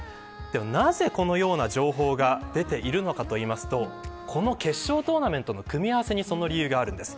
なぜ、このような情報が出ているのかといいますとこの決勝トーナメントの組み合わせにその理由があります。